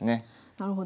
なるほど。